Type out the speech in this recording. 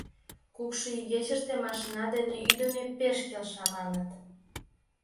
Кукшо игечыште машина дене ӱдымӧ пеш келша, маныт...